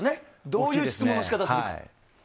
どういう質問の仕方するか。